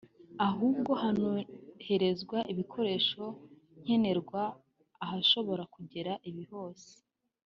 ahubwo hanoherezwa ibikoresho nkenerwa ahashobora kugera ibiza hose